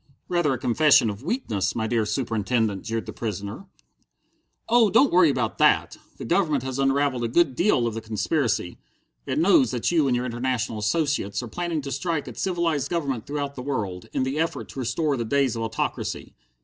"Rather a confession of weakness, my dear Superintendent," jeered the prisoner. "Oh don't worry about that! The Government has unravelled a good deal of the conspiracy. It knows that you and your international associates are planning to strike at civilized government throughout the world, in the effort to restore the days of autocracy.